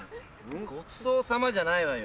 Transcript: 「ごちそうさま」じゃないわよ